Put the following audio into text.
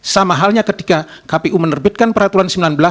sama halnya ketika kpu menerbitkan peraturan sembilan belas